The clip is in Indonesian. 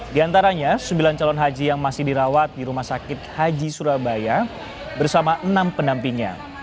di antaranya sembilan calon haji yang masih dirawat di rumah sakit haji surabaya bersama enam pendampingnya